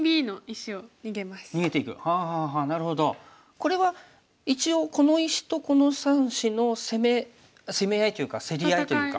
これは一応この石とこの３子の攻め攻め合いというか競り合いというか。